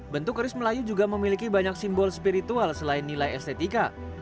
bentuk keris melayu juga memiliki banyak simbol spiritual selain nilai estetika